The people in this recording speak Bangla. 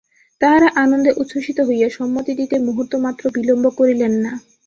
তাঁহারা আনন্দে উচ্ছ্বসিত হইয়া সম্মতি দিতে মুহূর্তমাত্র বিলম্ব করিলেন না।